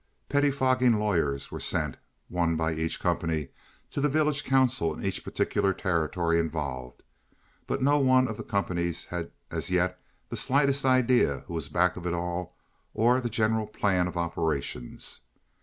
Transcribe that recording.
Pettifogging lawyers were sent, one by each company, to the village council in each particular territory involved, but no one of the companies had as yet the slightest idea who was back of it all or of the general plan of operations.